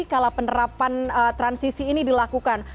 kalau penerapan transisi ini dilakukan